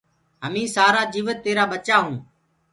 همين سآرآ جيوت تيرآ ٻچآ هونٚ